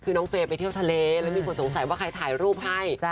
คือน้องเฟย์ไปเที่ยวทะเลแล้วมีคนสงสัยว่าใครถ่ายรูปให้